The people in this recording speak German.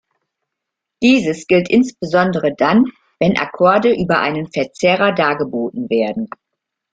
Dieses gilt insbesondere dann, wenn Akkorde über einen Verzerrer dargeboten werden.